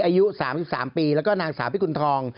หรือว่าตรีที่อายุ๓๓ปีและคุณท์สาปรีคุณทรอง